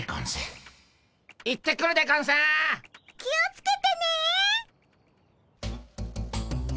気を付けてね！